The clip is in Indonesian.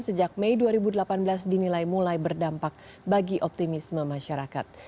sejak mei dua ribu delapan belas dinilai mulai berdampak bagi optimisme masyarakat